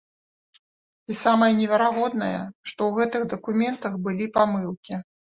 І самае неверагоднае, што ў гэтых дакументах былі памылкі.